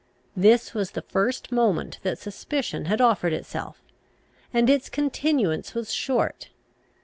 This was the first moment that suspicion had offered itself, and its continuance was short.